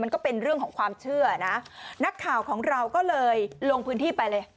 ก็เป็นเรื่องของความเชื่อนะนักข่าวของเราก็เลยลงพื้นที่ไปเลย